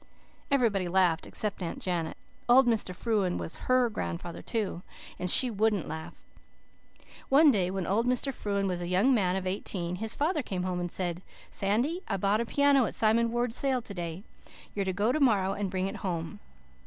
Everybody laughed except Aunt Janet. Old Mr. Frewen was HER grandfather too, and she wouldn't laugh. One day when old Mr. Frewen was a young man of eighteen his father came home and said, 'Sandy, I bought a piano at Simon Ward's sale to day. You're to go to morrow and bring it home.